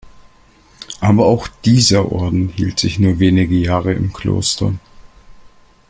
Aber auch dieser Orden hielt sich nur wenige Jahre im Kloster.